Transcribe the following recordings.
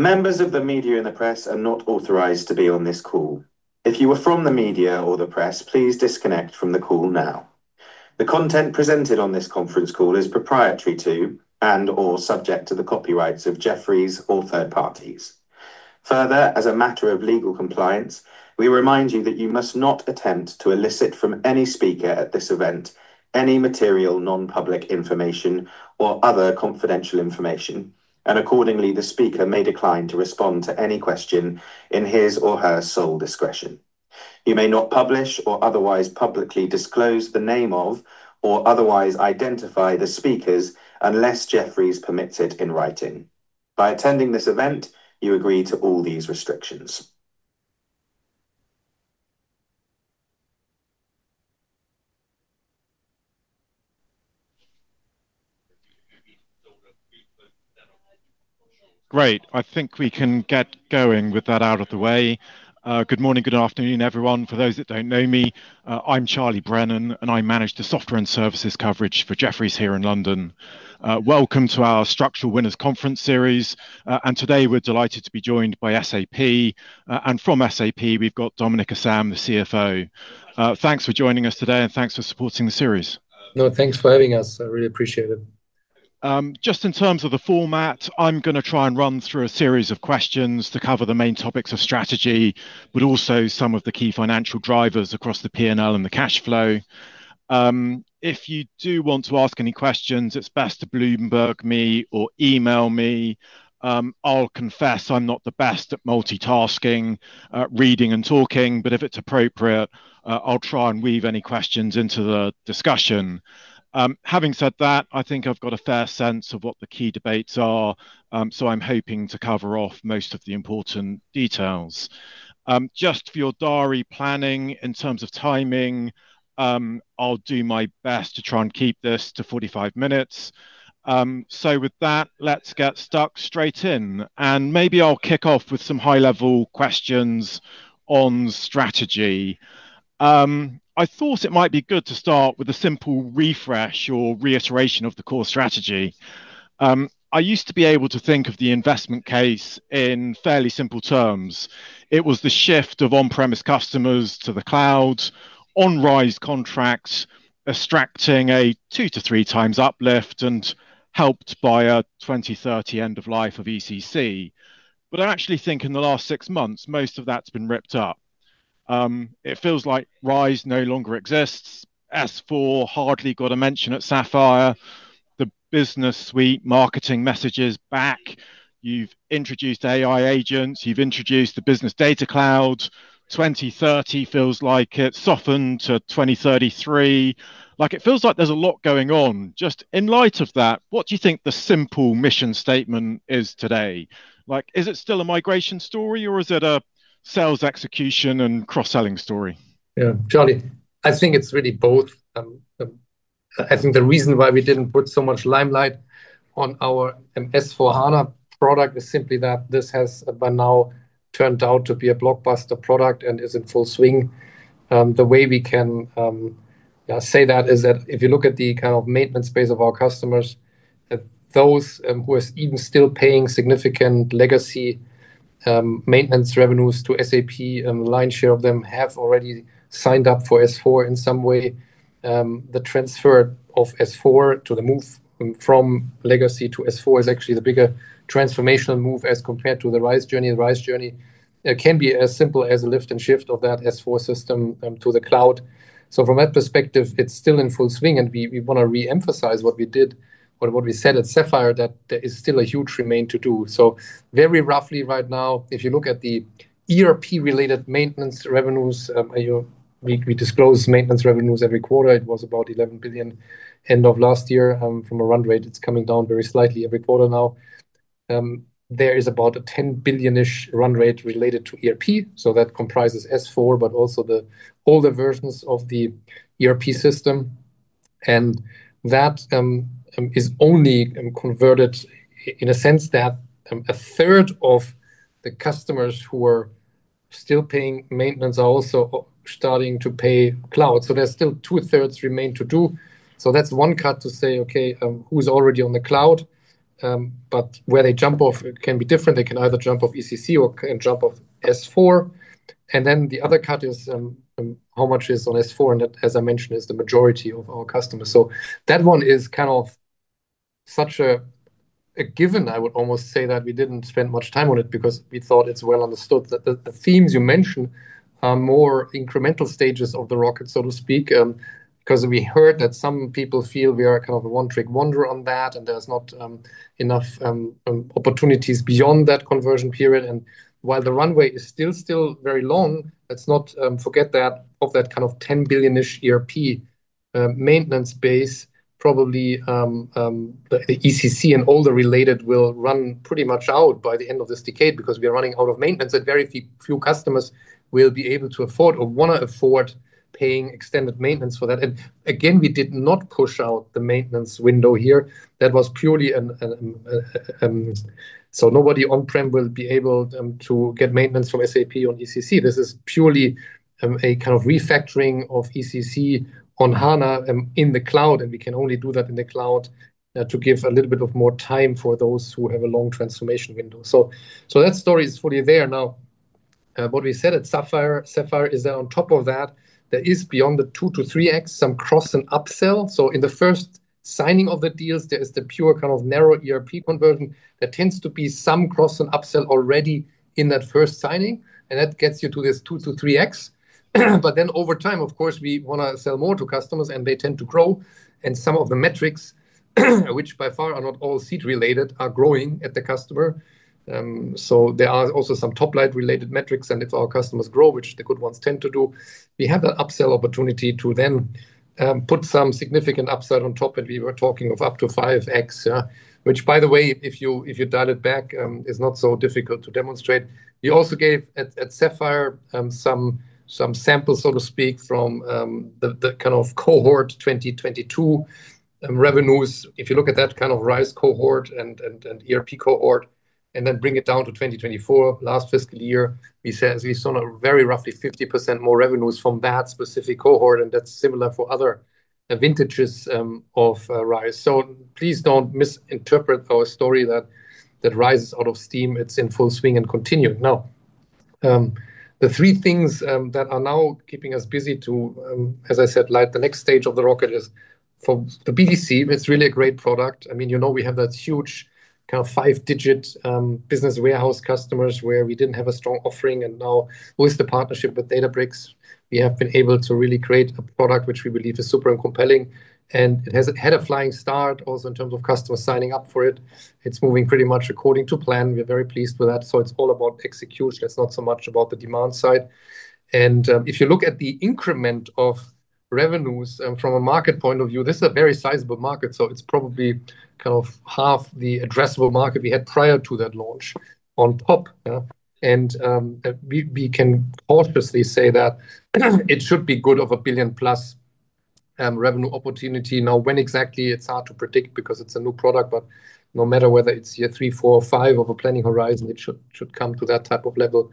Members of the media and the press are not authorized to be on this call. If you are from the media or the press, please disconnect from the call now. The content presented on this conference call is proprietary to and/or subject to the copyrights of Jefferies or third parties. Further, as a matter of legal compliance, we remind you that you must not attempt to elicit from any speaker at this event any material, non-public information, or other confidential information. Accordingly, the speaker may decline to respond to any question in his or her sole discretion. You may not publish or otherwise publicly disclose the name of or otherwise identify the speakers unless Jefferies permits it in writing. By attending this event, you agree to all these restrictions. Great. I think we can get going with that out of the way. Good morning, good afternoon, everyone. For those that don't know me, I'm Charlie Brennan, and I manage the software and services coverage for Jefferies here in London. Welcome to our Structural Winners Conference series. Today, we're delighted to be joined by SAP. From SAP, we've got Dominik Asam, the CFO. Thanks for joining us today, and thanks for supporting the series. No, thanks for having us. I really appreciate it. Just in terms of the format, I'm going to try and run through a series of questions to cover the main topics of strategy, but also some of the key financial drivers across the P&L and the cash flow. If you do want to ask any questions, it's best to Bloomberg me or email me. I'll confess I'm not the best at multitasking, reading, and talking, but if it's appropriate, I'll try and weave any questions into the discussion. Having said that, I think I've got a fair sense of what the key debates are, so I'm hoping to cover off most of the important details. Just for your diary planning, in terms of timing, I'll do my best to try and keep this to 45 minutes. With that, let's get stuck straight in. Maybe I'll kick off with some high-level questions on strategy. I thought it might be good to start with a simple refresh or reiteration of the core strategy. I used to be able to think of the investment case in fairly simple terms. It was the shift of on-premise customers to the cloud, on RISE contracts, extracting a 2x-3x uplift, and helped by a 2030 end of life of ECC. I actually think in the last six months, most of that's been ripped up. It feels like RISE no longer exists. [S/4HANA] hardly got a mention at Sapphire. The business suite marketing message is back. You've introduced AI agents. You've introduced the Business Data Cloud. 2030 feels like it's softened to 2033. It feels like there's a lot going on. Just in light of that, what do you think the simple mission statement is today? Is it still a migration story, or is it a sales execution and cross-selling story? Yeah, Charlie, I think it's really both. I think the reason why we didn't put so much limelight on our S/4HANA product is simply that this has by now turned out to be a blockbuster product and is in full swing. The way we can say that is that if you look at the kind of maintenance base of our customers, and those who are even still paying significant legacy maintenance revenues to SAP, a lion's share of them have already signed up for S/4HANA in some way. The transfer of S/4HANA to the move from legacy to S/4HANA is actually the bigger transformational move as compared to the RISE with SAP journey. The RISE with SAP journey can be as simple as a lift and shift of that S/4HANA system to the cloud. From that perspective, it's still in full swing, and we want to reemphasize what we did, but what we said at Sapphire that there is still a huge remain to do. Very roughly right now, if you look at the ERP-related maintenance revenues, we disclose maintenance revenues every quarter. It was about $11 billion end of last year. From a run rate, it's coming down very slightly every quarter now. There is about a $10 billion-ish run rate related to ERP. That comprises S/4HANA, but also the older versions of the ERP system. That is only converted in a sense that 1/3 of the customers who are still paying maintenance are also starting to pay cloud. There's still 2/3 remain to do. That's one cut to say, OK, who's already on the cloud? Where they jump off, it can be different. They can either jump off ECC or can jump off S/4HANA. The other cut is how much is on S/4HANA, and that, as I mentioned, is the majority of our customers. That one is kind of such a given, I would almost say, that we didn't spend much time on it because we thought it's well understood that the themes you mentioned are more incremental stages of the rocket, so to speak, because we heard that some people feel we are kind of a one-trick wonder on that, and there's not enough opportunities beyond that conversion period. While the runway is still very long, let's not forget that of that kind of $10 billion-ish ERP maintenance base, probably the ECC and all the related will run pretty much out by the end of this decade because we are running out of maintenance. Very few customers will be able to afford or want to afford paying extended maintenance for that. Again, we did not push out the maintenance window here. That was purely so nobody on-prem will be able to get maintenance from SAP on ECC. This is purely a kind of refactoring of ECC on HANA in the cloud, and we can only do that in the cloud to give a little bit of more time for those who have a long transformation window. That story is fully there. Now, what we said at Sapphire is that on top of that, there is beyond the 2x-3x some cross and upsell. In the first signing of the deals, there is the pure kind of narrow ERP conversion. There tends to be some cross and upsell already in that first signing, and that gets you to this 2x-3x. Over time, of course, we want to sell more to customers, and they tend to grow. Some of the metrics, which by far are not all seat-related, are growing at the customer. There are also some top line-related metrics, and if our customers grow, which the good ones tend to do, we have that upsell opportunity to then put some significant upside on top. We were talking of up to 5x, which, by the way, if you dial it back, is not so difficult to demonstrate. We also gave at Sapphire some samples, so to speak, from the kind of cohort 2022 revenues. If you look at that kind of RISE cohort and ERP cohort, and then bring it down to 2024, last fiscal year, we saw a very roughly 50% more revenues from that specific cohort. That's similar for other vintages of RISE. Please don't misinterpret our story that RISE is out of steam. It's in full swing and continuing. Now, the three things that are now keeping us busy to, as I said, light the next stage of the rocket is for the BDC. It's really a great product. I mean, you know we have that huge kind of five-digit business warehouse customers where we didn't have a strong offering. Now, with the partnership with Databricks, we have been able to really create a product which we believe is super and compelling. It has had a flying start also in terms of customers signing up for it. It's moving pretty much according to plan. We're very pleased with that. It's all about execution. It's not so much about the demand side. If you look at the increment of revenues from a market point of view, this is a very sizable market. It's probably kind of 1/2 the addressable market we had prior to that launch on top. We can cautiously say that it should be good of a $1 billion+ revenue opportunity. Now, when exactly, it's hard to predict because it's a new product. No matter whether it's year three, four, or five of a planning horizon, it should come to that type of level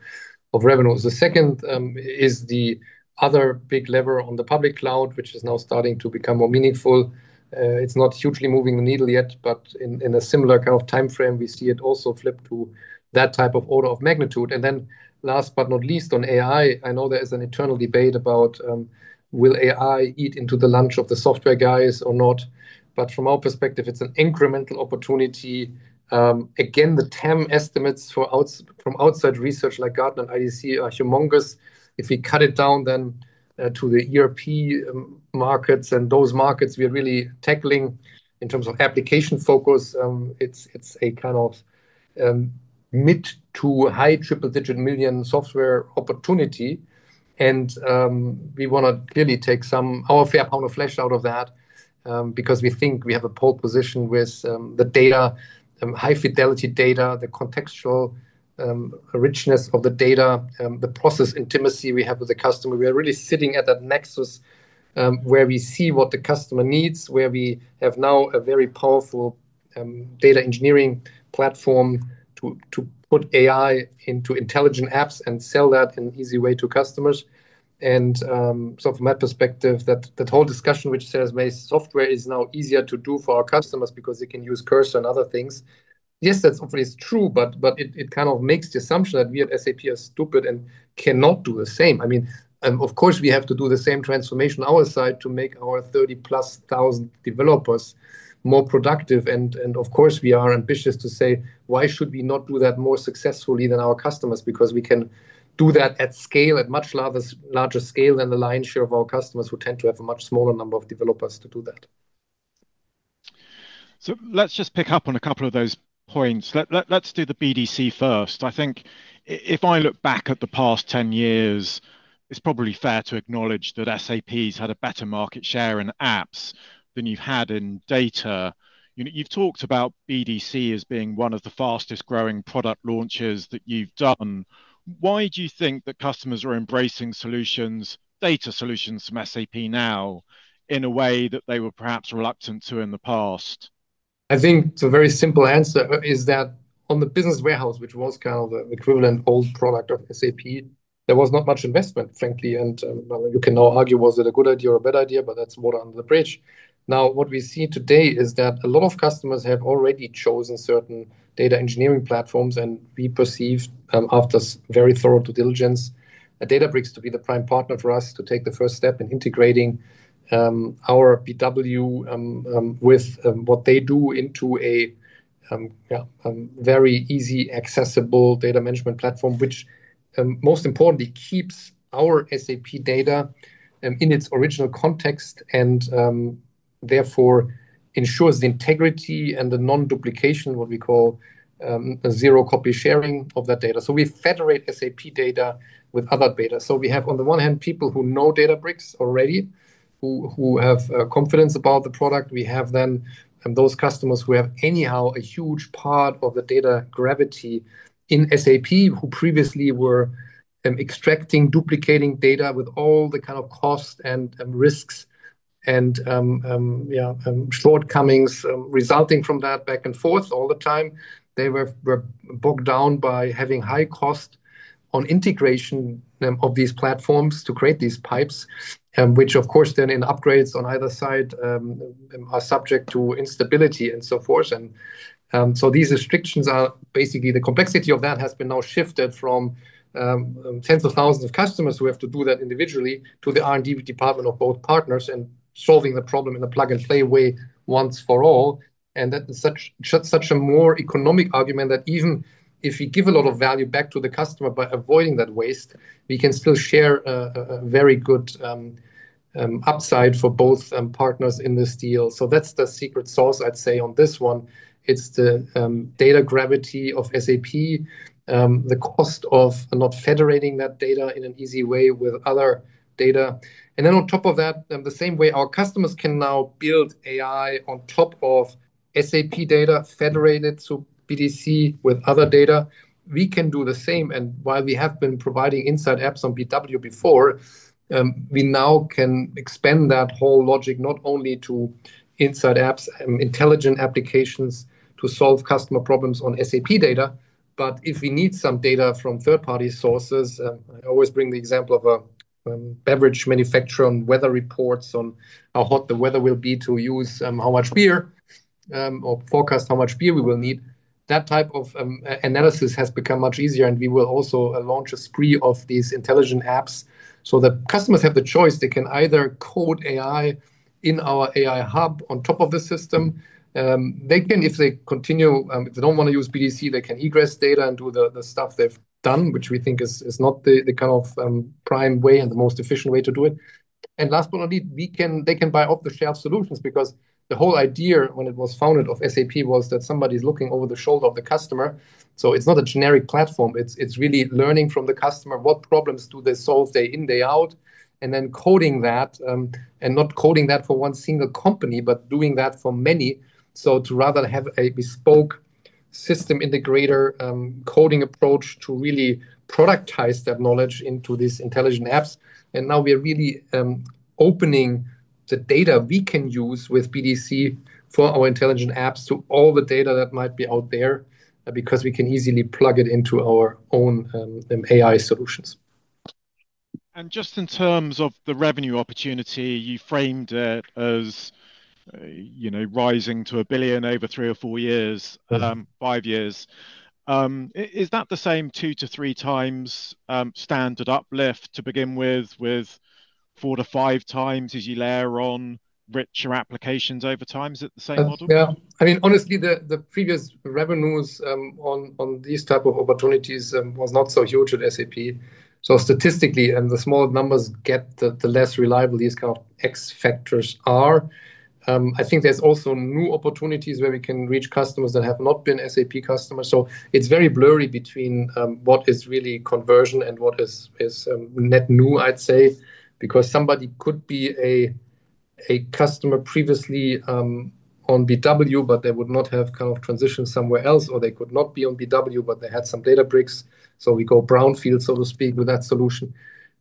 of revenue. The second is the other big lever on the public cloud, which is now starting to become more meaningful. It's not hugely moving the needle yet, but in a similar kind of time frame, we see it also flip to that type of order of magnitude. Last but not least, on AI, I know there is an eternal debate about will AI eat into the lunch of the software guys or not. From our perspective, it's an incremental opportunity. The TAM estimates from outside research like Gartner and IDC are humongous. If we cut it down to the ERP markets and those markets we are really tackling in terms of application focus, it's a kind of mid to high triple-digit million software opportunity. We want to really take some our fair pound of flesh out of that because we think we have a pole position with the data, high-fidelity data, the contextual richness of the data, the process intimacy we have with the customer. We are really sitting at that nexus where we see what the customer needs, where we have now a very powerful data engineering platform to put AI into intelligent apps and sell that in an easy way to customers. From my perspective, that whole discussion which says software is now easier to do for our customers because they can use cursor and other things, yes, that's hopefully true. It kind of makes the assumption that we at SAP are stupid and cannot do the same. I mean, of course, we have to do the same transformation on our side to make our 30,000 developers more productive. Of course, we are ambitious to say, why should we not do that more successfully than our customers? We can do that at scale, at much larger scale than the lion's share of our customers who tend to have a much smaller number of developers to do that. Let's just pick up on a couple of those points. Let's do the BDC first. I think if I look back at the past 10 years, it's probably fair to acknowledge that SAP has had a better market share in apps than you've had in data. You've talked about BDC as being one of the fastest growing product launches that you've done. Why do you think that customers are embracing data solutions from SAP now in a way that they were perhaps reluctant to in the past? I think the very simple answer is that on the business warehouse, which was kind of the equivalent old product of SAP, there was not much investment, frankly. You can now argue, was it a good idea or a bad idea? That's water under the bridge. What we see today is that a lot of customers have already chosen certain data engineering platforms. We perceived, after very thorough due diligence, Databricks to be the prime partner for us to take the first step in integrating our BW with what they do into a very easy, accessible data management platform, which most importantly keeps our SAP data in its original context and therefore ensures the integrity and the non-duplication, what we call a zero copy sharing of that data. We federate SAP data with other data. We have, on the one hand, people who know Databricks already, who have confidence about the product. We have then those customers who have anyhow a huge part of the data gravity in SAP, who previously were extracting, duplicating data with all the kind of costs and risks and shortcomings resulting from that back and forth all the time. They were bogged down by having high cost on integration of these platforms to create these pipes, which, of course, in upgrades on either side are subject to instability and so forth. These restrictions are basically the complexity of that has been now shifted from tens of thousands of customers who have to do that individually to the R&D department of both partners and solving the problem in a plug-and-play way once for all. That is such a more economic argument that even if we give a lot of value back to the customer by avoiding that waste, we can still share a very good upside for both partners in this deal. That's the secret sauce, I'd say, on this one. It's the data gravity of SAP, the cost of not federating that data in an easy way with other data. On top of that, the same way our customers can now build AI on top of SAP data federated to BDC with other data, we can do the same. While we have been providing inside apps on BW before, we now can expand that whole logic not only to inside apps and intelligent applications to solve customer problems on SAP data, but if we need some data from third-party sources, I always bring the example of an average manufacturer on weather reports on how hot the weather will be to use how much beer or forecast how much beer we will need. That type of analysis has become much easier. We will also launch a spree of these intelligent apps so that customers have the choice. They can either code AI in our AI hub on top of the system. If they continue, if they don't want to use BDC, they can egress data and do the stuff they've done, which we think is not the kind of prime way and the most efficient way to do it. Last but not least, they can buy off-the-shelf solutions because the whole idea when it was founded of SAP was that somebody is looking over the shoulder of the customer. It's not a generic platform. It's really learning from the customer. What problems do they solve day in, day out? Then coding that and not coding that for one single company, but doing that for many. To rather have a bespoke system integrator coding approach to really productize that knowledge into these intelligent apps. Now we are really opening the data we can use with BDC for our intelligent apps to all the data that might be out there because we can easily plug it into our own AI solutions. In terms of the revenue opportunity, you framed it as rising to $1 billion over three or four years, five years. Is that the same 2x-3x standard uplift to begin with, with 4x-5x as you layer on richer applications over time, is that the same model? I mean, honestly, the previous revenues on these types of opportunities were not so huge at SAP. Statistically, the smaller numbers get, the less reliable these kind of X factors are. I think there's also new opportunities where we can reach customers that have not been SAP customers. It is very blurry between what is really conversion and what is net new, I'd say, because somebody could be a customer previously on BW, but they would not have kind of transitioned somewhere else, or they could not be on BW, but they had some Databricks. We go brownfield, so to speak, with that solution.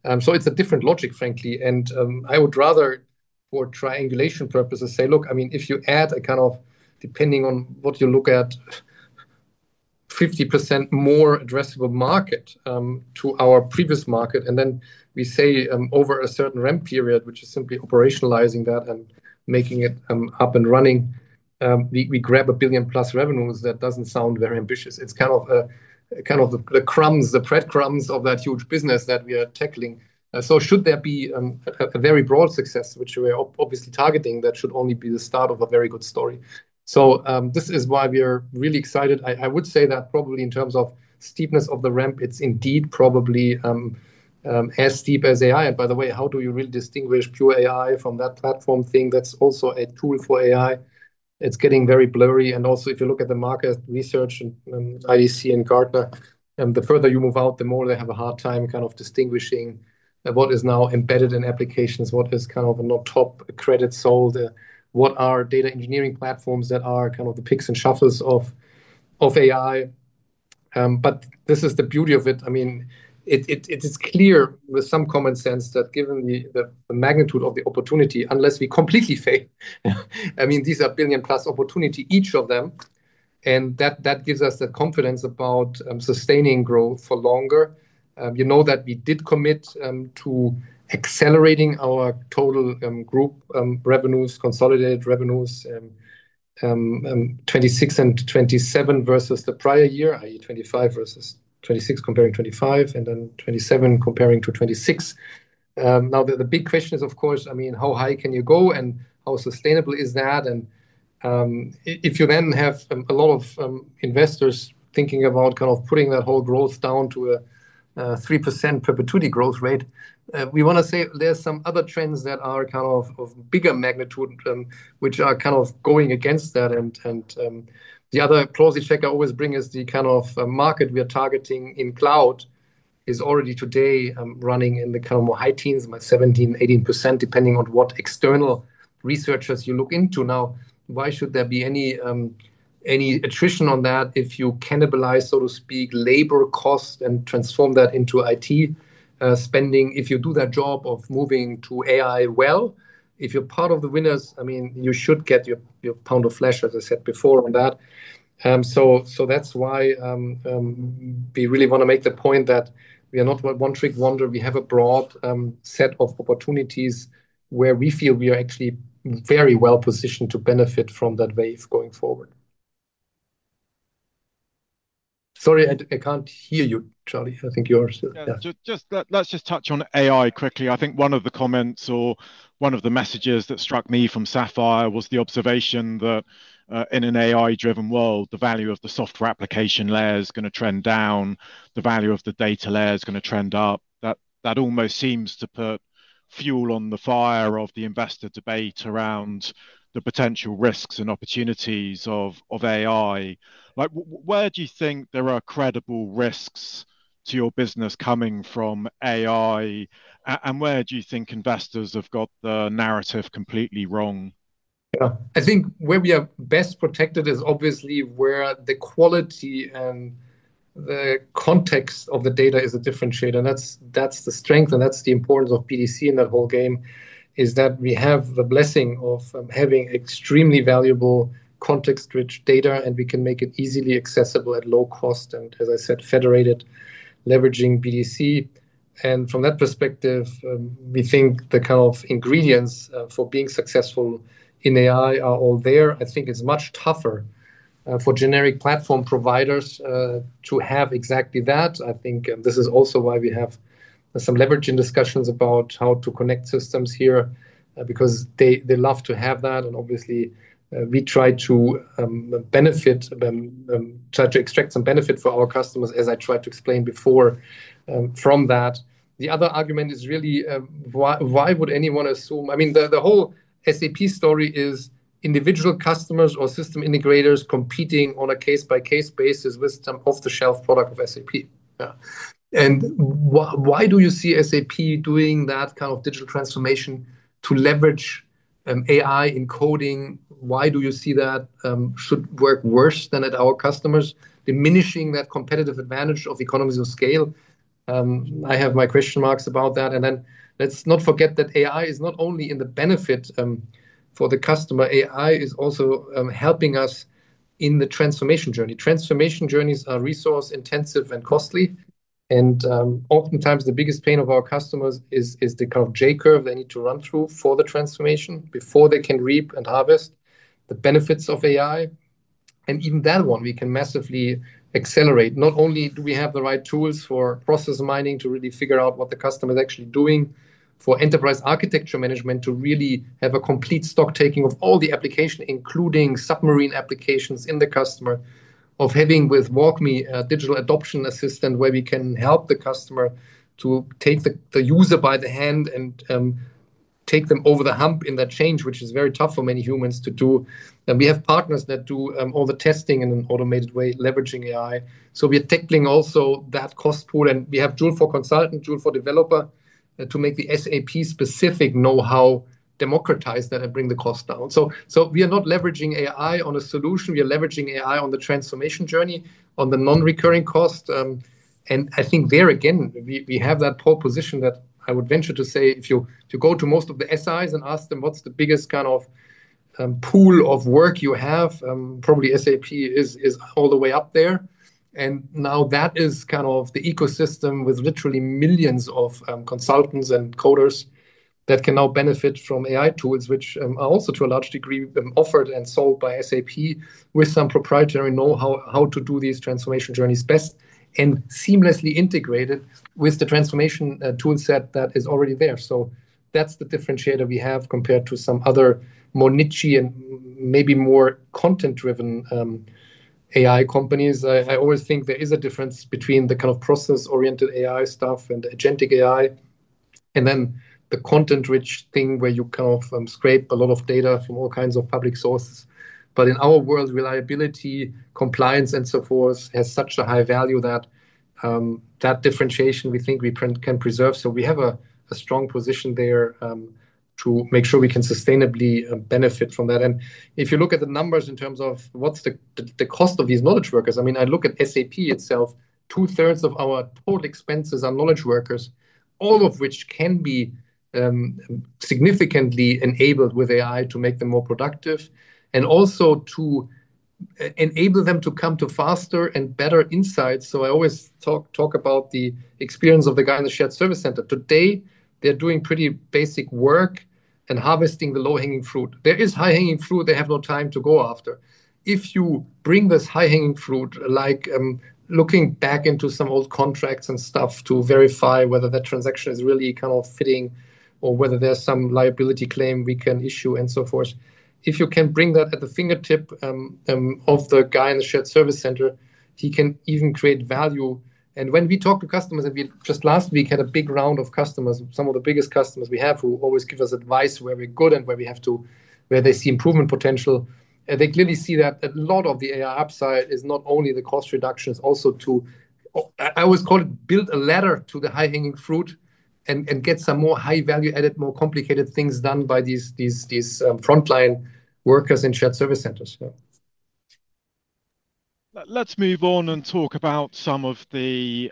It is a different logic, frankly. I would rather, for triangulation purposes, say, look, I mean, if you add a kind of, depending on what you look at, 50% more addressable market to our previous market, and then we say over a certain RAM period, which is simply operationalizing that and making it up and running, we grab a $1 billion+ revenues. That doesn't sound very ambitious. It is kind of the crumbs, the breadcrumbs of that huge business that we are tackling. Should there be a very broad success, which we are obviously targeting, that should only be the start of a very good story. This is why we are really excited. I would say that probably in terms of steepness of the ramp, it's indeed probably as steep as AI. By the way, how do you really distinguish pure AI from that platform thing that's also a tool for AI? It's getting very blurry. Also, if you look at the market research and IDC and Gartner, the further you move out, the more they have a hard time kind of distinguishing what is now embedded in applications, what is kind of an on-top credit sold, what are data engineering platforms that are kind of the picks and shuffles of AI. This is the beauty of it. It is clear with some common sense that given the magnitude of the opportunity, unless we completely fail, these are 1 billion+ opportunities, each of them. That gives us the confidence about sustaining growth for longer. You know that we did commit to accelerating our total group revenues, consolidated revenues, 2026 and 2027 versus the prior year, i.e. 2025 versus 2026 comparing 2025 and then 2027 comparing to 2026. Now, the big question is, of course, how high can you go and how sustainable is that? If you then have a lot of investors thinking about kind of putting that whole growth down to a 3% perpetuity growth rate, we want to say there's some other trends that are of bigger magnitude, which are going against that. The other closing check I always bring is the kind of market we are targeting in cloud is already today running in the more high teens, 17%, 18%, depending on what external researchers you look into. Now, why should there be any attrition on that if you cannibalize, so to speak, labor costs and transform that into IT spending? If you do that job of moving to AI, if you're part of the winners, you should get your pound of flesh, as I said before, on that. That is why we really want to make the point that we are not one-trick wonder. We have a broad set of opportunities where we feel we are actually very well positioned to benefit from that wave going forward. Sorry, I can't hear you, Charlie. I think you're-- Let's just touch on AI quickly. I think one of the comments or one of the messages that struck me from Sapphire was the observation that in an AI-driven world, the value of the software application layer is going to trend down. The value of the data layer is going to trend up. That almost seems to put fuel on the fire of the investor debate around the potential risks and opportunities of AI. Where do you think there are credible risks to your business coming from AI? Where do you think investors have got the narrative completely wrong? Yeah, I think where we are best protected is obviously where the quality and the context of the data is a differentiator. That's the strength and that's the importance of BDC in that whole game, is that we have the blessing of having extremely valuable context-rich data, and we can make it easily accessible at low cost and, as I said, federated, leveraging BDC. From that perspective, we think the kind of ingredients for being successful in AI are all there. I think it's much tougher for generic platform providers to have exactly that. I think this is also why we have some leveraging discussions about how to connect systems here because they love to have that. Obviously, we try to benefit and try to extract some benefit for our customers, as I tried to explain before from that. The other argument is really, why would anyone assume the whole SAP story is individual customers or system integrators competing on a case-by-case basis with some off-the-shelf product of SAP. Yeah. Why do you see SAP doing that kind of digital transformation to leverage AI in coding? Why do you see that should work worse than at our customers, diminishing that competitive advantage of economies of scale? I have my question marks about that. Let's not forget that AI is not only in the benefit for the customer. AI is also helping us in the transformation journey. Transformation journeys are resource-intensive and costly. Oftentimes, the biggest pain of our customers is the kind of J curve they need to run through for the transformation before they can reap and harvest the benefits of AI. Even that one, we can massively accelerate. Not only do we have the right tools for process mining to really figure out what the customer is actually doing, for enterprise architecture management to really have a complete stocktaking of all the application, including submarine applications in the customer, of having with WalkMe a digital adoption assistant where we can help the customer to take the user by the hand and take them over the hump in that change, which is very tough for many humans to do. We have partners that do all the testing in an automated way, leveraging AI. We are tackling also that cost pool. We have Joule for Consultant, Joule for Developer to make the SAP-specific know-how democratize that and bring the cost down. We are not leveraging AI on a solution. We are leveraging AI on the transformation journey, on the non-recurring cost. I think there, again, we have that pole position that I would venture to say if you go to most of the SIs and ask them, what's the biggest kind of pool of work you have? Probably SAP is all the way up there. That is kind of the ecosystem with literally millions of consultants and coders that can now benefit from AI tools, which are also, to a large degree, offered and sold by SAP with some proprietary know-how how to do these transformation journeys best and seamlessly integrated with the transformation toolset that is already there. That's the differentiator we have compared to some other more niche and maybe more content-driven AI companies. I always think there is a difference between the kind of process-oriented AI stuff and the agentic AI and then the content-rich thing where you kind of scrape a lot of data from all kinds of public sources. In our world, reliability, compliance, and so forth has such a high value that that differentiation we think we can preserve. We have a strong position there to make sure we can sustainably benefit from that. If you look at the numbers in terms of what's the cost of these knowledge workers, I mean, I look at SAP itself. 2/3 of our total expenses are knowledge workers, all of which can be significantly enabled with AI to make them more productive and also to enable them to come to faster and better insights. I always talk about the experience of the guy in the shared service center. Today, they're doing pretty basic work and harvesting the low-hanging fruit. There is high-hanging fruit they have no time to go after. If you bring this high-hanging fruit, like looking back into some old contracts and stuff to verify whether that transaction is really kind of fitting or whether there's some liability claim we can issue and so forth. If you can bring that at the fingertip of the guy in the shared service center, he can even create value. When we talk to customers, and we just last week had a big round of customers, some of the biggest customers we have who always give us advice where we're good and where we have to, where they see improvement potential. They clearly see that a lot of the AI upside is not only the cost reductions, also to, I always call it, build a ladder to the high-hanging fruit and get some more high-value added, more complicated things done by these frontline workers in shared service centers. Let's move on and talk about some of the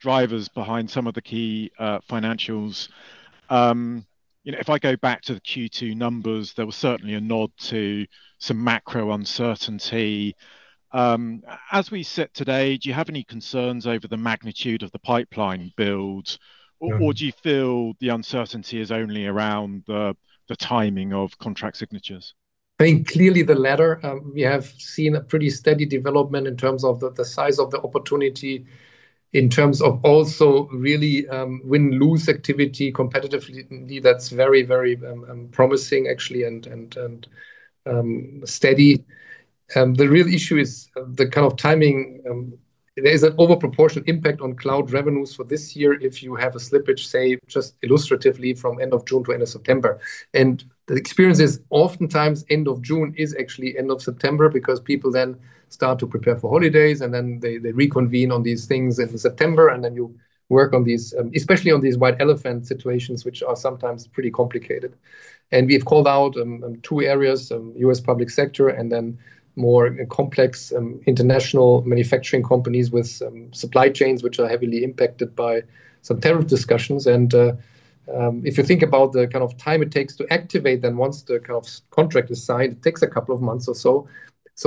drivers behind some of the key financials. If I go back to the Q2 numbers, there was certainly a nod to some macro uncertainty. As we sit today, do you have any concerns over the magnitude of the pipeline build, or do you feel the uncertainty is only around the timing of contract signatures? I think clearly the latter. We have seen a pretty steady development in terms of the size of the opportunity, in terms of also really win-lose activity, competitively that's very, very promising, actually, and steady. The real issue is the kind of timing. There is an overproportionate impact on cloud revenues for this year if you have a slippage, say, just illustratively from end of June to end of September. The experience is oftentimes end of June is actually end of September because people then start to prepare for holidays, and then they reconvene on these things in September. You work on these, especially on these white elephant situations, which are sometimes pretty complicated. We have called out two areas, U.S. public sector and then more complex international manufacturing companies with supply chains which are heavily impacted by some tariff discussions. If you think about the kind of time it takes to activate them, once the kind of contract is signed, it takes a couple of months or so.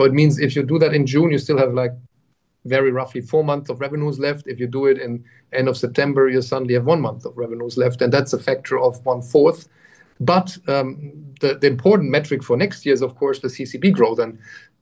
It means if you do that in June, you still have like very roughly four months of revenues left. If you do it in the end of September, you suddenly have one month of revenues left. That's a factor of 1/4. The important metric for next year is, of course, the CCB growth.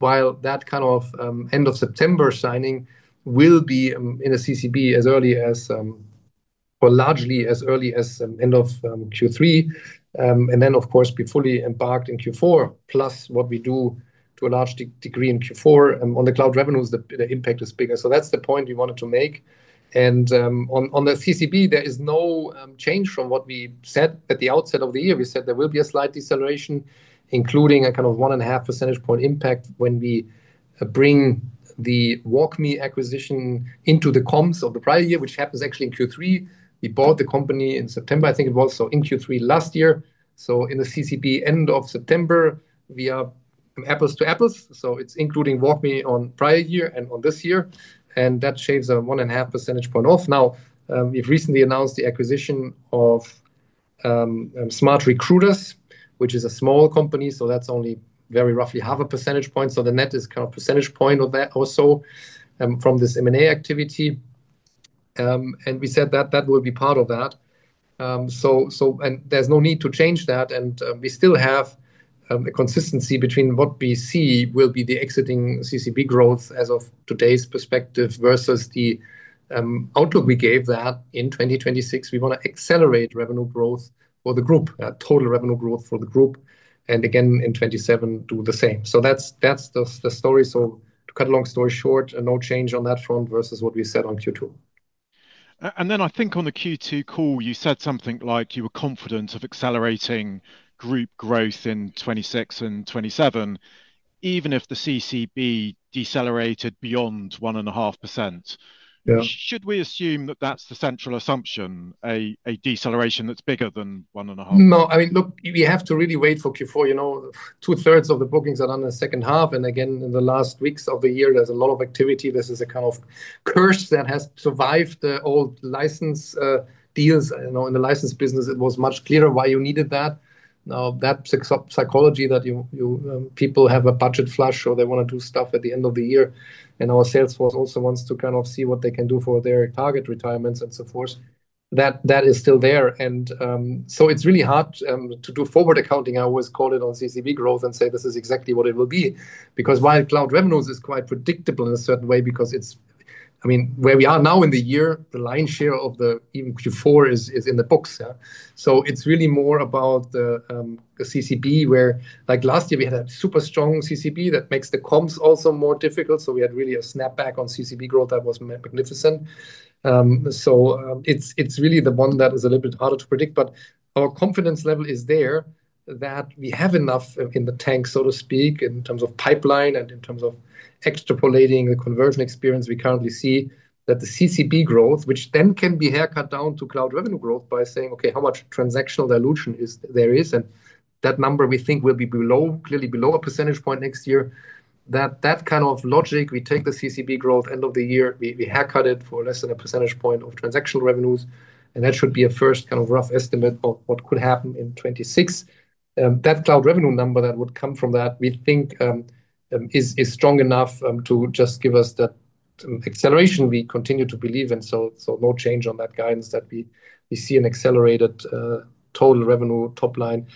While that kind of end of September signing will be in the CCB as early as, or largely as early as end of Q3, and then, of course, be fully embarked in Q4, plus what we do to a large degree in Q4 on the cloud revenues, the impact is bigger. That's the point we wanted to make. On the CCB, there is no change from what we said at the outset of the year. We said there will be a slight deceleration, including a kind of 1.5% impact when we bring the WalkMe acquisition into the comps of the prior year, which happens actually in Q3. We bought the company in September, I think it was, so in Q3 last year. In the CCB end of September, we are apples to apples. It's including WalkMe on prior year and on this year. That shaves a 1.5% off. Now, we've recently announced the acquisition of SmartRecruiters, which is a small company. That's only very roughly 0.5%. The net is kind of a percentage point or so from this M&A activity. We said that that will be part of that. There's no need to change that. We still have a consistency between what we see will be the exiting current cloud backlog growth as of today's perspective versus the outlook we gave that in 2026. We want to accelerate revenue growth for the group, total revenue growth for the group. Again, in 2027, do the same. That's the story. To cut a long story short, no change on that front versus what we said on Q2. I think on the Q2 call, you said something like you were confident of accelerating group growth in 2026 and 2027, even if the CCB decelerated beyond 1.5%. Yeah. Should we assume that that's the central assumption, a deceleration that's bigger than 1.5? No, I mean, look, we have to really wait for Q4. You know, 2/3 of the bookings are done in the second half. In the last weeks of the year, there's a lot of activity. This is a kind of curse that has survived the old license deals. I know in the license business, it was much clearer why you needed that. Now, that psychology that people have a budget flash or they want to do stuff at the end of the year, and our sales force also wants to kind of see what they can do for their target retirements and so forth, that is still there. It's really hard to do forward accounting. I always call it on current cloud backlog growth and say this is exactly what it will be. Because while cloud revenues are quite predictable in a certain way, because it's, I mean, where we are now in the year, the lion's share of even Q4 is in the books. It's really more about the current cloud backlog, where like last year we had a super strong current cloud backlog that makes the comps also more difficult. We had really a snapback on current cloud backlog growth that was magnificent. It's really the one that is a little bit harder to predict. Our confidence level is there that we have enough in the tank, so to speak, in terms of pipeline and in terms of extrapolating the conversion experience we currently see, that the current cloud backlog growth, which then can be haircut down to cloud revenue growth by saying, OK, how much transactional dilution there is, and that number we think will be clearly below a percentage point next year, that that kind of logic, we take the current cloud backlog growth end of the year, we haircut it for less than a percentage point of transaction revenues. That should be a first kind of rough estimate of what could happen in 2026. That cloud revenue number that would come from that, we think, is strong enough to just give us that acceleration we continue to believe in. No change on that guidance that we see an accelerated total revenue top line.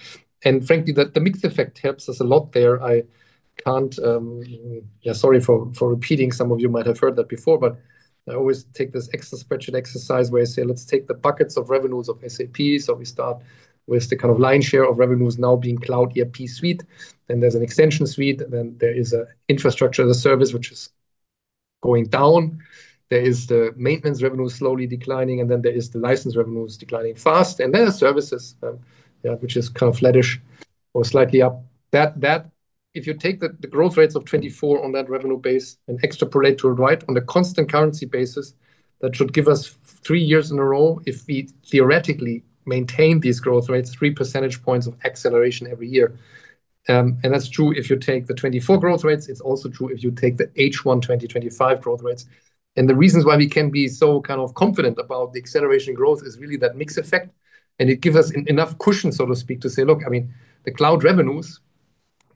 Frankly, the mix effect helps us a lot there. I can't, yeah, sorry for repeating, some of you might have heard that before, but I always take this excess spreadsheet exercise where I say, let's take the buckets of revenues of SAP. We start with the kind of lion's share of revenues now being cloud ERP suite. There's an extension suite. Then there is an infrastructure as a service, which is going down. There is the maintenance revenue slowly declining. Then there is the license revenues declining fast. There are services, yeah, which is kind of flattish or slightly up. If you take the growth rates of 2024 on that revenue base and extrapolate to it right on the constant currency basis, that should give us three years in a row if we theoretically maintain these growth rates, three percentage points of acceleration every year. That is true if you take the 2024 growth rates. It is also true if you take the H1 2025 growth rates. The reasons why we can be so kind of confident about the acceleration growth is really that mixed effect. It gives us enough cushion, so to speak, to say, look, the cloud revenues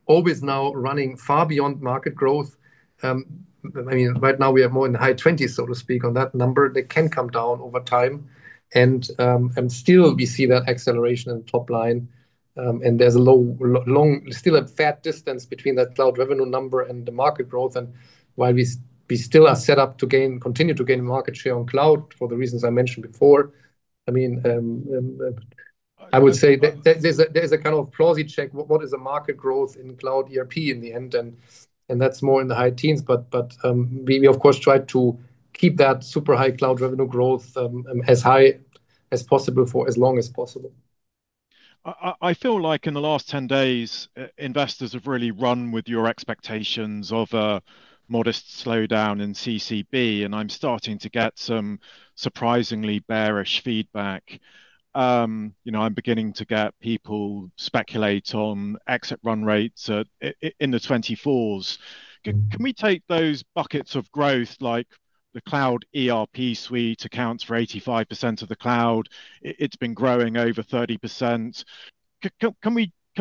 are always now running far beyond market growth. Right now we have more in the high 20%, so to speak, on that number. They can come down over time and still, we see that acceleration in the top line. There is a long, still a fat distance between that cloud revenue number and the market growth. While we still are set up to continue to gain market share on cloud for the reasons I mentioned before, I would say there is a kind of closing check. What is the market growth in cloud ERP in the end? That is more in the high teens. We, of course, try to keep that super high cloud revenue growth as high as possible for as long as possible. I feel like in the last 10 days, investors have really run with your expectations of a modest slowdown in CCB. I'm starting to get some surprisingly bearish feedback. I'm beginning to get people speculate on exit run rates in the 2024s. Can we take those buckets of growth, like the cloud ERP suite accounts for 85% of the cloud? It's been growing over 30%. Can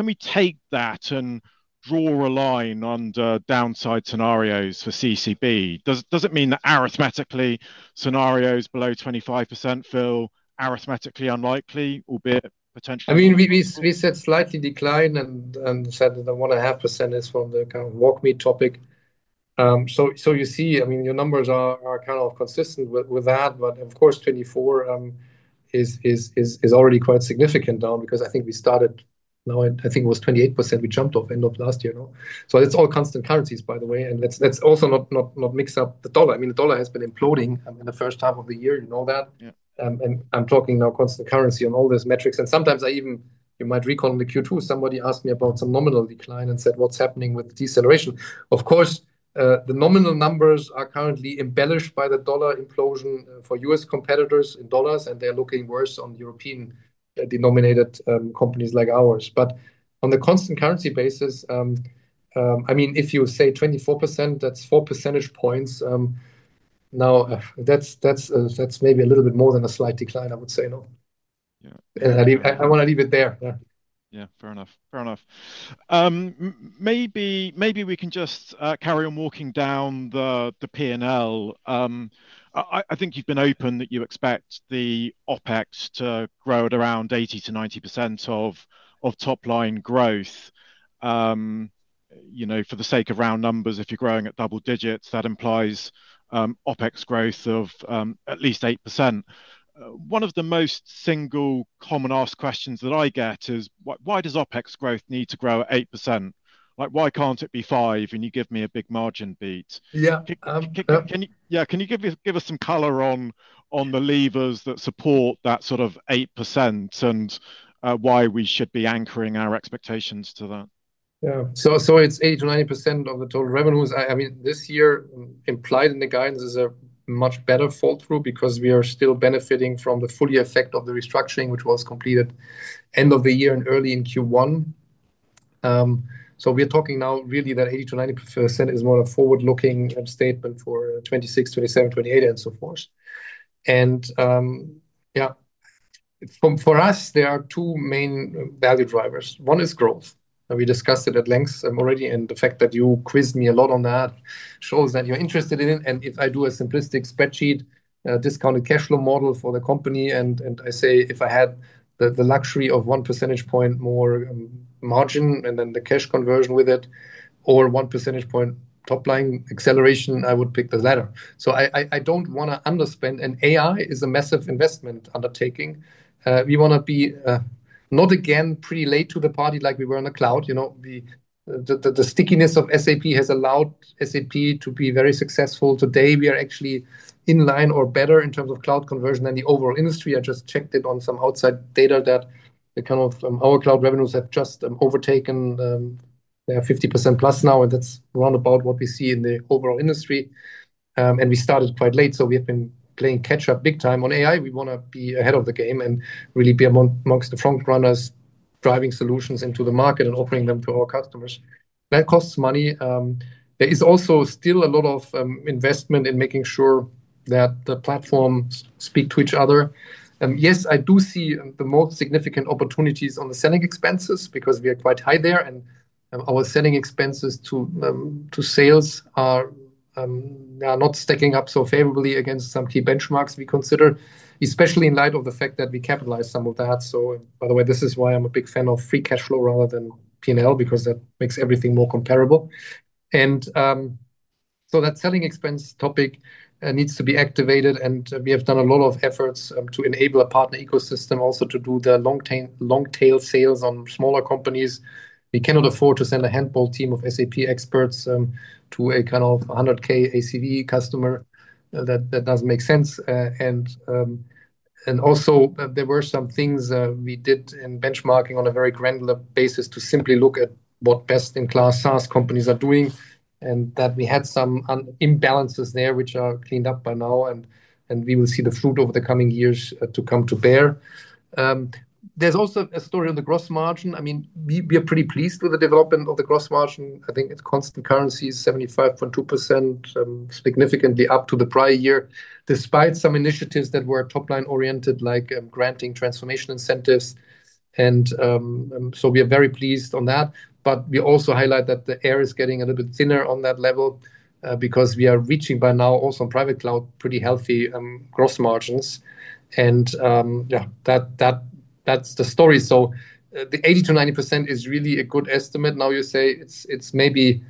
we take that and draw a line under downside scenarios for CCB? Does it mean that arithmetically, scenarios below 25% feel arithmetically unlikely, albeit potentially? I mean, we said slightly decline and said that 1.5% is from the kind of WalkMe topic. You see, your numbers are kind of consistent with that. Of course, 2024 is already quite significant now because I think we started now, I think it was 28% we jumped off end of last year. It's all constant currencies, by the way. Let's also not mix up the dollar. The dollar has been imploding in the first half of the year. You know that. I'm talking now constant currency on all those metrics. Sometimes I even, you might recall in the Q2, somebody asked me about some nominal decline and said, what's happening with the deceleration? The nominal numbers are currently embellished by the dollar implosion for U.S. competitors in dollars. They're looking worse on European denominated companies like ours. On the constant currency basis, if you say 24%, that's four percentage points. That's maybe a little bit more than a slight decline, I would say. I want to leave it there. Yeah, fair enough. Maybe we can just carry on walking down the P&L. I think you've been open that you expect the OpEx to grow at around 80%-90% of top line growth. For the sake of round numbers, if you're growing at double digits, that implies OpEx growth of at least 8%. One of the most single common asked questions that I get is, why does OpEx growth need to grow at 8%? Like, why can't it be 5% and you give me a big margin beat? Yeah. Yeah, can you give us some color on the levers that support that sort of 8% and why we should be anchoring our expectations to that? Yeah, so it's 80%-90% of the total revenues. This year, implied in the guidance is a much better fall through because we are still benefiting from the full effect of the restructuring, which was completed end of the year and early in Q1. We are talking now really that 80%-90% is more of a forward-looking statement for 2026, 2027, 2028, and so forth. For us, there are two main value drivers. One is growth. We discussed it at length already. The fact that you quizzed me a lot on that shows that you're interested in it. If I do a simplistic spreadsheet, discounted cash flow model for the company, and I say if I had the luxury of one percentage point more margin and then the cash conversion with it, or one percentage point top line acceleration, I would pick the latter. I don't want to underspend. AI is a massive investment undertaking. We want to be not again pretty late to the party like we were in the cloud. The stickiness of SAP has allowed SAP to be very successful. Today, we are actually in line or better in terms of cloud conversion than the overall industry. I just checked it on some outside data that our cloud revenues have just overtaken. They have 50%+ now. That's round about what we see in the overall industry. We started quite late. We have been playing catch-up big time on AI. We want to be ahead of the game and really be amongst the front runners, driving solutions into the market and offering them to our customers. That costs money. There is also still a lot of investment in making sure that the platforms speak to each other. Yes, I do see the most significant opportunities on the selling expenses because we are quite high there. Our selling expenses to sales are not stacking up so favorably against some key benchmarks we consider, especially in light of the fact that we capitalize some of that. By the way, this is why I'm a big fan of free cash flow rather than P&L because that makes everything more comparable. That selling expense topic needs to be activated. We have done a lot of efforts to enable a partner ecosystem also to do the long-tail sales on smaller companies. We cannot afford to send a handful team of SAP experts to a kind of $100,000 ACV customer. That doesn't make sense. There were some things we did in benchmarking on a very granular basis to simply look at what best-in-class SaaS companies are doing. We had some imbalances there, which are cleaned up by now. We will see the fruit over the coming years to come to bear. There is also a story on the gross margin. I mean, we are pretty pleased with the development of the gross margin. I think it's constant currency, 75.2%, significantly up to the prior year, despite some initiatives that were top-line oriented, like granting transformation incentives. We are very pleased on that. We also highlight that the air is getting a little bit thinner on that level because we are reaching by now also on private cloud pretty healthy gross margins. Yeah, that's the story. The 80%-90% is really a good estimate. You say maybe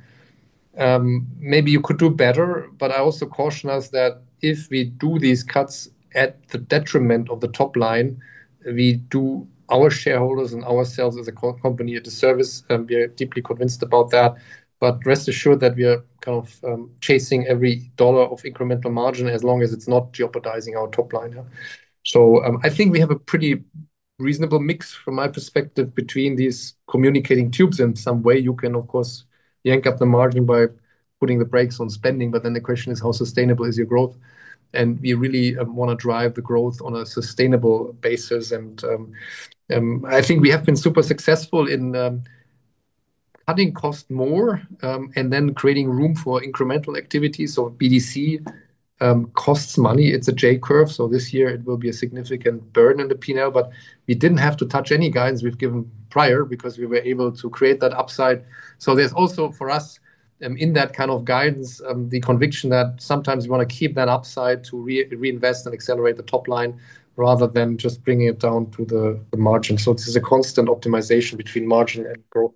you could do better. I also caution us that if we do these cuts at the detriment of the top line, we do our shareholders and ourselves as a core company a disservice. We are deeply convinced about that. Rest assured that we are kind of chasing every dollar of incremental margin as long as it's not jeopardizing our top line. I think we have a pretty reasonable mix from my perspective between these communicating tubes. In some way you can, of course, yank up the margin by putting the brakes on spending. The question is, how sustainable is your growth? We really want to drive the growth on a sustainable basis. I think we have been super successful in cutting cost more and then creating room for incremental activity. BDC costs money. It's a J curve. This year, it will be a significant burn in the P&L. We didn't have to touch any guidance we've given prior because we were able to create that upside. There is also for us in that kind of guidance the conviction that sometimes we want to keep that upside to reinvest and accelerate the top line rather than just bringing it down to the margin. This is a constant optimization between margin and growth.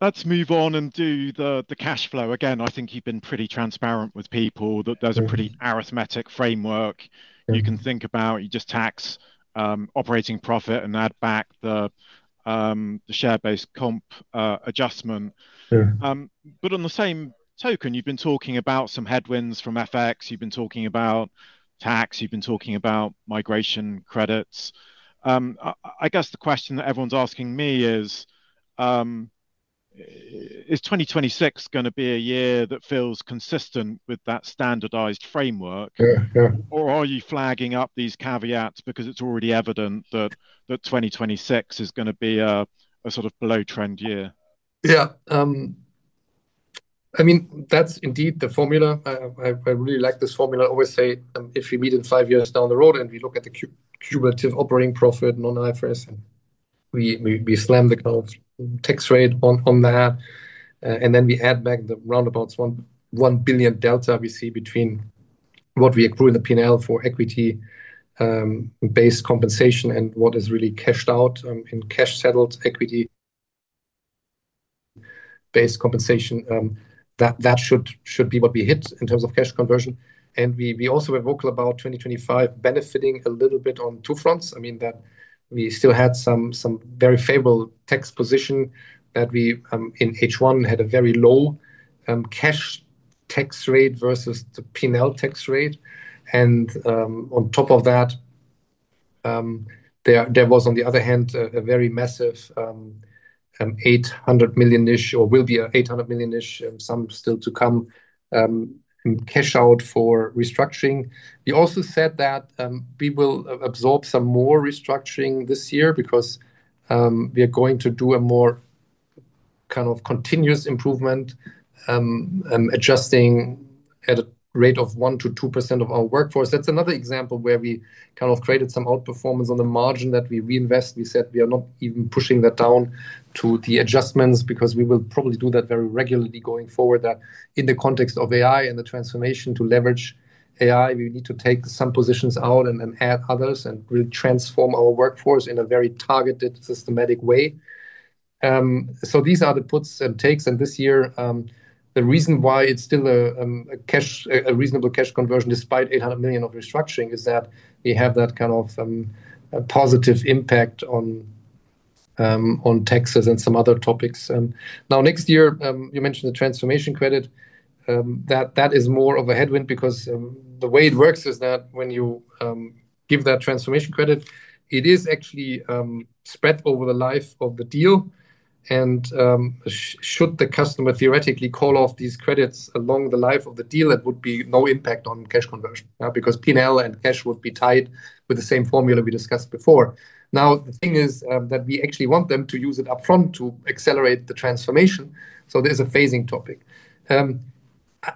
Let's move on and do the cash flow. I think you've been pretty transparent with people that there's a pretty arithmetic framework you can think about. You just tax operating profit and add back the share-based comp adjustment. Sure. On the same token, you've been talking about some headwinds from FX, you've been talking about tax, you've been talking about migration credits. I guess the question that everyone's asking me is, is 2026 going to be a year that feels consistent with that standardized framework, or are you flagging up these caveats because it's already evident that 2026 is going to be a sort of below-trend year? Yeah. I mean, that's indeed the formula. I really like this formula. I always say if we meet in five years down the road and we look at the cumulative operating profit non-IFRS, and we slam the kind of tax rate on that, then we add back the roundabout $1 billion delta we see between what we accrue in the P&L for equity-based compensation and what is really cashed out in cash settled equity-based compensation. That should be what we hit in terms of cash conversion. We also were vocal about 2025 benefiting a little bit on two fronts. I mean, that we still had some very favorable tax position that we in H1 had a very low cash tax rate versus the P&L tax rate. On top of that, there was, on the other hand, a very massive $800 million-ish or will be an $800 million-ish and some still to come in cash out for restructuring. We also said that we will absorb some more restructuring this year because we are going to do a more kind of continuous improvement, adjusting at a rate of 1%-2% of our workforce. That's another example where we kind of created some outperformance on the margin that we reinvest. We said we are not even pushing that down to the adjustments because we will probably do that very regularly going forward. In the context of AI and the transformation to leverage AI, we need to take some positions out and then add others and really transform our workforce in a very targeted, systematic way. These are the puts and takes. This year, the reason why it's still a reasonable cash conversion despite $800 million of restructuring is that we have that kind of positive impact on taxes and some other topics. Next year, you mentioned the transformation credit. That is more of a headwind because the way it works is that when you give that transformation credit, it is actually spread over the life of the deal. Should the customer theoretically call off these credits along the life of the deal, it would be no impact on cash conversion because P&L and cash would be tied with the same formula we discussed before. The thing is that we actually want them to use it upfront to accelerate the transformation. There's a phasing topic.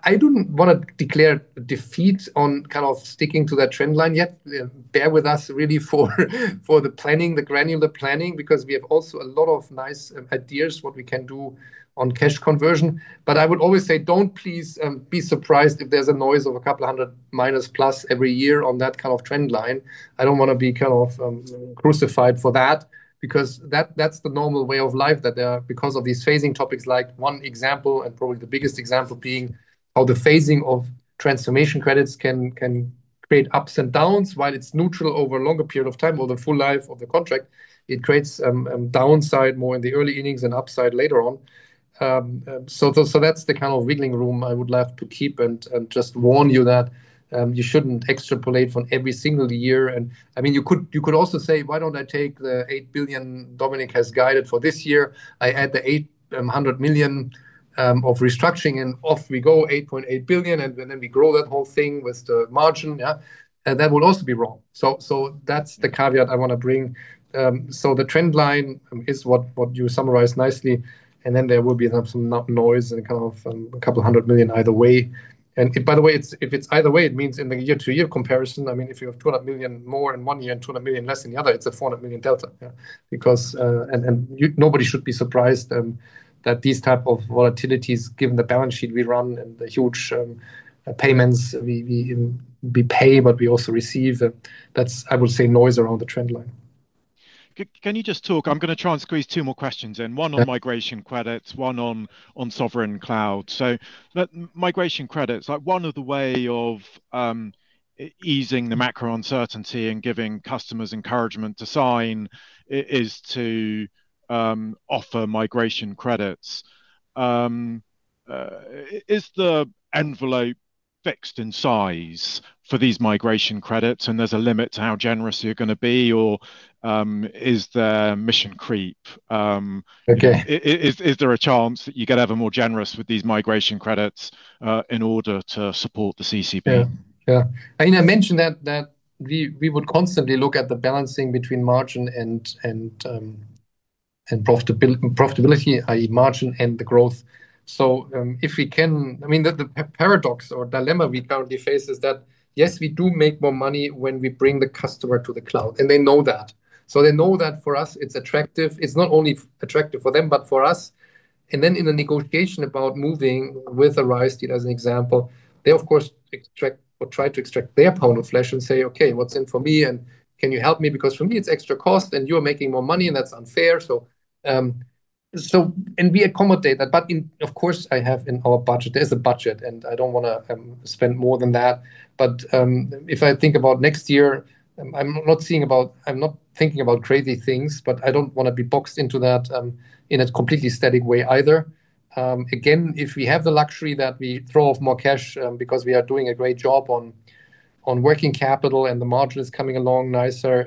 I don't want to declare a defeat on kind of sticking to that trend line yet. Bear with us really for the planning, the granular planning, because we have also a lot of nice ideas what we can do on cash conversion. I would always say, please don't be surprised if there's a noise of a couple hundred minus-plus every year on that kind of trend line. I don't want to be kind of crucified for that because that's the normal way of life that there are because of these phasing topics. One example, and probably the biggest example, is how the phasing of transformation credits can create ups and downs. While it's neutral over a longer period of time, over the full life of the contract, it creates downside more in the early innings and upside later on. That's the kind of wiggling room I would love to keep and just warn you that you shouldn't extrapolate from every single year. You could also say, why don't I take the $8 billion Dominik has guided for this year, add the $800 million of restructuring, and off we go, $8.8 billion, and then we grow that whole thing with the margin. Yeah, and that will also be wrong. That's the caveat I want to bring. The trend line is what you summarized nicely. There will be some noise and kind of a couple hundred million either way. By the way, if it's either way, it means in the year-to-year comparison, if you have $200 million more in one year and $200 million less in the other, it's a $400 million delta. Nobody should be surprised at these types of volatilities, given the balance sheet we run and the huge payments we pay, but we also receive. That's, I would say, noise around the trend line. Can you just talk? I'm going to try and squeeze two more questions in, one on migration credits, one on sovereign cloud. Migration credits, like one of the ways of easing the macro uncertainty and giving customers encouragement to sign is to offer migration credits. Is the envelope fixed in size for these migration credits, and there's a limit to how generous you're going to be, or is there mission creep? OK. Is there a chance that you get ever more generous with these migration credits in order to support the CCB? Yeah. I mean, I mentioned that we would constantly look at the balancing between margin and profitability, i.e., margin and the growth. If we can, I mean, the paradox or dilemma we currently face is that, yes, we do make more money when we bring the customer to the cloud. They know that. They know that for us, it's attractive. It's not only attractive for them, but for us. In a negotiation about moving with a RISE with SAP deal as an example, they, of course, try to extract their pound of flesh and say, OK, what's in for me? Can you help me? Because for me, it's extra cost, and you're making more money, and that's unfair. We accommodate that. Of course, I have in our budget, there's a budget, and I don't want to spend more than that. If I think about next year, I'm not thinking about crazy things, but I don't want to be boxed into that in a completely static way either. If we have the luxury that we throw off more cash because we are doing a great job on working capital and the margin is coming along nicer,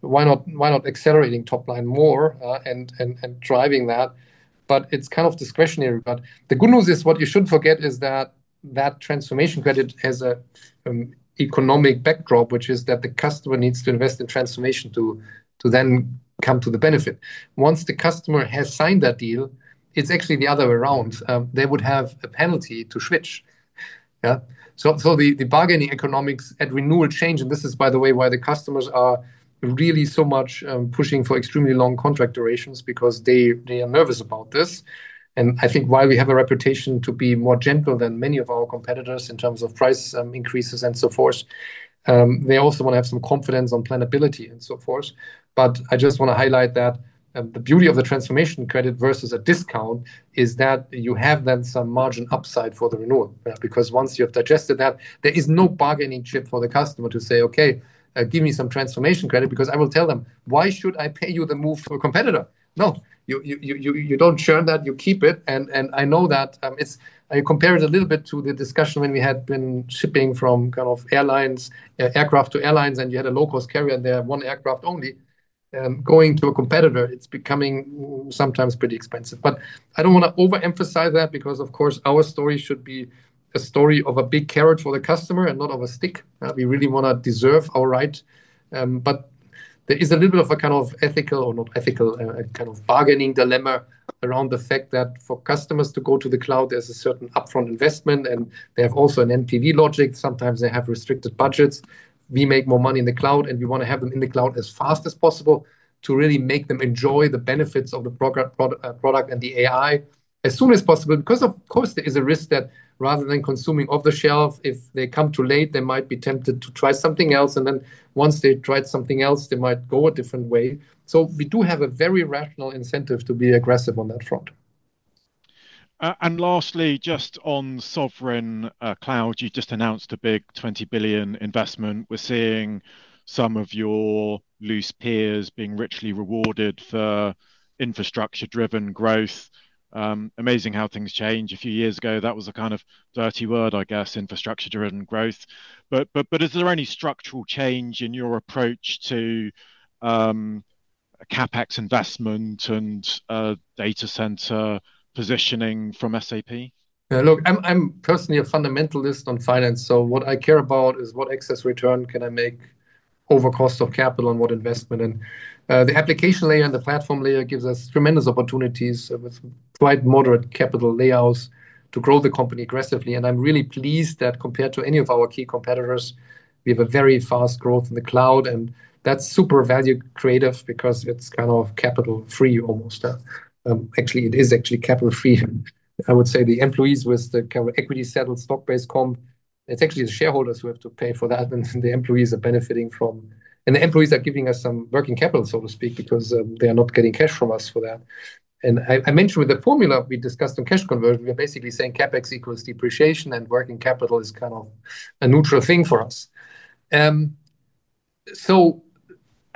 why not accelerate top line more and drive that? It's kind of discretionary. The good news is what you should not forget is that that transformation credit has an economic backdrop, which is that the customer needs to invest in transformation to then come to the benefit. Once the customer has signed that deal, it's actually the other way around. They would have a penalty to switch. The bargaining economics at renewal change. This is, by the way, why the customers are really so much pushing for extremely long contract durations because they are nervous about this. I think while we have a reputation to be more gentle than many of our competitors in terms of price increases and so forth, they also want to have some confidence on planability and so forth. I just want to highlight that the beauty of the transformation credit versus a discount is that you have then some margin upside for the renewal. Once you have digested that, there is no bargaining chip for the customer to say, OK, give me some transformation credit because I will tell them, why should I pay you the move to a competitor? No, you don't churn that. You keep it. I know that it's, I compare it a little bit to the discussion when we had been shipping from kind of airlines, aircraft to airlines, and you had a low-cost carrier and they're one aircraft only. Going to a competitor, it's becoming sometimes pretty expensive. I don't want to overemphasize that because, of course, our story should be a story of a big carrot for the customer and not of a stick. We really want to deserve our right. There is a little bit of a kind of ethical or not ethical kind of bargaining dilemma around the fact that for customers to go to the cloud, there's a certain upfront investment. They have also an NPV logic. Sometimes they have restricted budgets. We make more money in the cloud, and we want to have them in the cloud as fast as possible to really make them enjoy the benefits of the product and the AI as soon as possible. Of course, there is a risk that rather than consuming off the shelf, if they come too late, they might be tempted to try something else. Once they tried something else, they might go a different way. We do have a very rational incentive to be aggressive on that front. Lastly, just on sovereign cloud, you just announced a big $20 billion investment. We're seeing some of your loose peers being richly rewarded for infrastructure-driven growth. It's amazing how things changed. A few years ago, that was a kind of dirty word, I guess, infrastructure-driven growth. Is there any structural change in your approach to a CapEx investment and data center positioning from SAP? Yeah, look, I'm personally a fundamentalist on finance. What I care about is what excess return can I make over cost of capital and what investment. The application layer and the platform layer give us tremendous opportunities with quite moderate capital layouts to grow the company aggressively. I'm really pleased that compared to any of our key competitors, we have very fast growth in the cloud. That's super value creative because it's kind of capital-free almost. Actually, it is actually capital-free. I would say the employees with the equity settled stock-based comp, it's actually the shareholders who have to pay for that, and the employees are benefiting from, and the employees are giving us some working capital, so to speak, because they are not getting cash from us for that. I mentioned with the formula we discussed in cash conversion, we are basically saying CapEx equals depreciation, and working capital is kind of a neutral thing for us.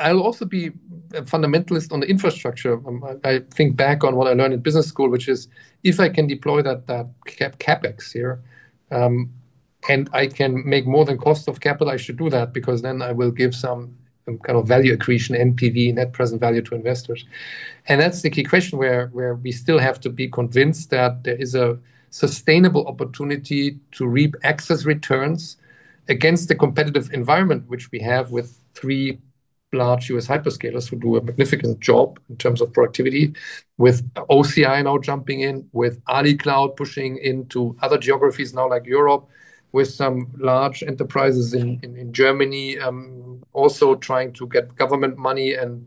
I'll also be a fundamentalist on the infrastructure. I think back on what I learned in business school, which is if I can deploy that CapEx here, and I can make more than cost of capital, I should do that because then I will give some kind of value accretion, NPV, net present value to investors. That's the key question where we still have to be convinced that there is a sustainable opportunity to reap excess returns against the competitive environment, which we have with three large U.S. hyperscalers who do a magnificent job in terms of productivity, with OCI now jumping in, with Ali Cloud pushing into other geographies now like Europe, with some large enterprises in Germany also trying to get government money and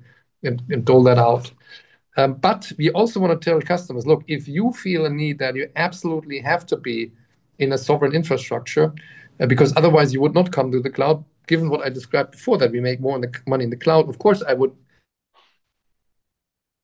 dole that out. We also want to tell customers, look, if you feel a need that you absolutely have to be in a sovereign infrastructure, because otherwise you would not come to the cloud, given what I described before that we make more money in the cloud, of course, I would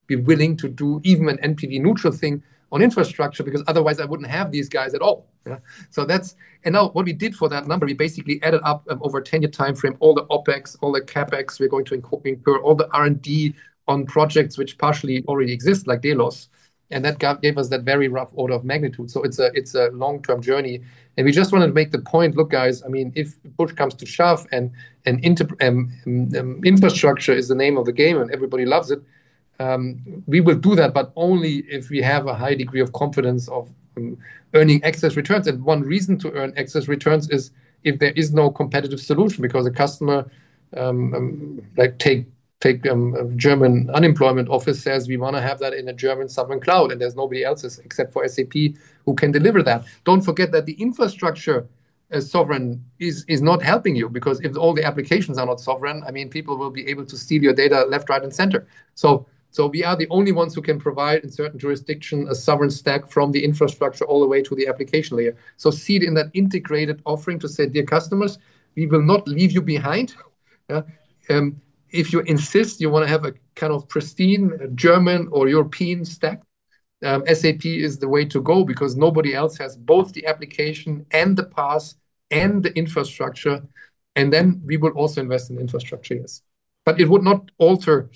be willing to do even an NPV neutral thing on infrastructure because otherwise I wouldn't have these guys at all. Now what we did for that number, we basically added up over a 10-year time frame, all the OpEx, all the CapEx. We're going to incur all the R&D on projects which partially already exist, like Delos. That gave us that very rough order of magnitude. It's a long-term journey. We just wanted to make the point, look, guys, if the push comes to shove and infrastructure is the name of the game and everybody loves it, we will do that, but only if we have a high degree of confidence of earning excess returns. One reason to earn excess returns is if there is no competitive solution because a customer, like take the German Federal Employment Agency, says, we want to have that in a German sovereign cloud. There is nobody else except for SAP who can deliver that. Do not forget that the infrastructure as sovereign is not helping you because if all the applications are not sovereign, people will be able to steal your data left, right, and center. We are the only ones who can provide in certain jurisdictions a sovereign stack from the infrastructure all the way to the application layer. See it in that integrated offering to say, dear customers, we will not leave you behind. If you insist you want to have a kind of pristine German or European stack, SAP is the way to go because nobody else has both the application and the PaaS and the infrastructure. We will also invest in infrastructure, yes. It would not alter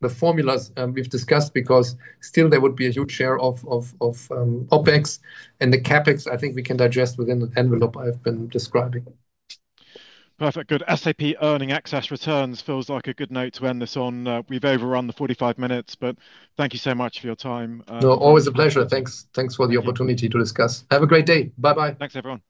the formulas we have discussed because still there would be a huge share of OpEx and the CapEx I think we can digest within the envelope I have been describing. Perfect. Good. SAP earning excess returns feels like a good note to end this on. We've overrun the 45 minutes, but thank you so much for your time. No, always a pleasure. Thanks for the opportunity to discuss. Have a great day. Bye-bye. Thanks, everyone.